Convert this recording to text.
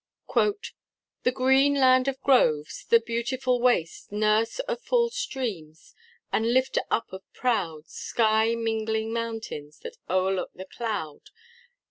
——"The green land of groves, the beautiful waste, Nurse of full streams, and lifter up of proud Sky mingling mountains that o'erlook the cloud.